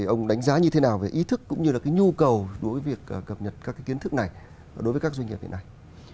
ông đánh giá như thế nào về ý thức cũng như là cái nhu cầu đối với việc cập nhật các kiến thức này đối với các doanh nghiệp hiện nay